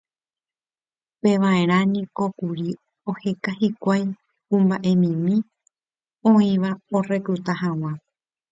upevarã niko kuri oheka hikuái kuimba'emimi oĩva orecluta hag̃ua